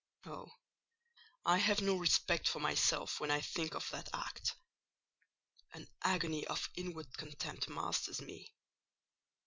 Oh, I have no respect for myself when I think of that act!—an agony of inward contempt masters me.